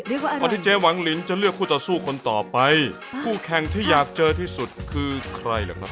ก่อนวันที่เจ๊หวังลินจะเลือกคู่ต่อสู้คนต่อไปคู่แข่งที่อยากเจอที่สุดคือใครล่ะครับ